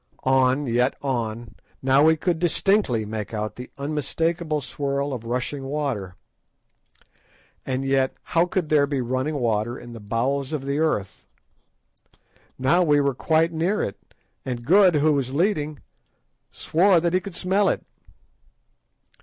On, yet on; now we could distinctly make out the unmistakable swirl of rushing water. And yet how could there be running water in the bowels of the earth? Now we were quite near it, and Good, who was leading, swore that he could smell it.